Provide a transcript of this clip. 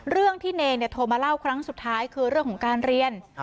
เรื่องที่เนรโทรมาเล่าครั้งสุดท้ายคือเรื่องของการเรียน